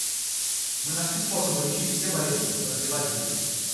Мы нашли способы лечить все болезни и продлевать жизнь.